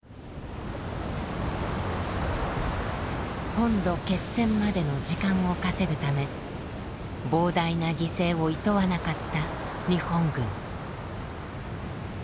本土決戦までの時間を稼ぐため膨大な犠牲をいとわなかった日本軍。